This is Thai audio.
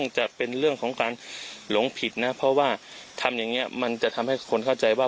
จะเป็นเรื่องของการหลงผิดนะเพราะว่าทำอย่างนี้มันจะทำให้คนเข้าใจว่า